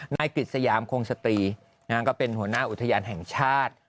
กฤษยามคงสตรีก็เป็นหัวหน้าอุทยานแห่งชาติ